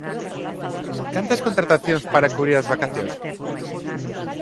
¿Cantas contratacións para cubrir as vacacións?